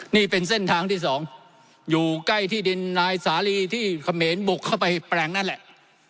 นี่เป็นเส้นทางที่สองอยู่ใกล้ที่ดินนายสาลีที่เขมรบุกเข้าไปแปลงนั่นแหละ